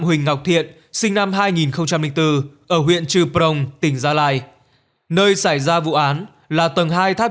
huỳnh ngọc thiện sinh năm hai nghìn bốn ở huyện trư prong tỉnh gia lai nơi xảy ra vụ án là tầng hai tháp